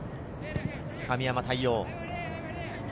神山が対応。